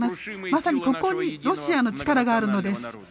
まさにここにロシアの力があるのです。